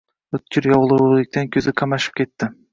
O‘tkir yorug‘likdan ko‘zi qamashib ketdi…